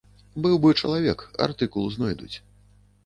Быў бы чалавек, артыкул знойдуць.